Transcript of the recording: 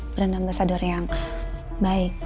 brand ambasador yang baik